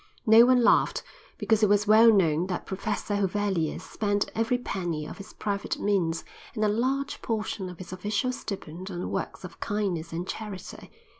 No one laughed, because it was well known that Professor Huvelius spent every penny of his private means and a large portion of his official stipend on works of kindness and charity.